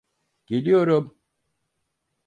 Geliyorum.